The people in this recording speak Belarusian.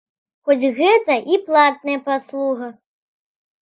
Хоць гэта і платная паслуга.